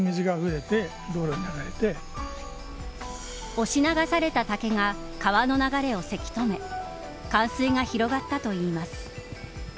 押し流された竹が川の流れをせき止め冠水が広がったといいます。